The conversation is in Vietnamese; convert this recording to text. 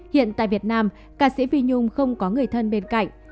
hiện tại việt nam ca sĩ vi nhung không có người thân bên cạnh